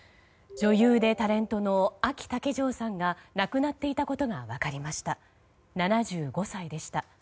女優でタレントのあき竹城さんが亡くなっていたことが分かりました、７５歳でした。